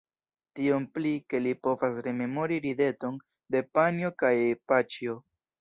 Tiom pli, ke li povas rememori rideton de panjo kaj paĉjo.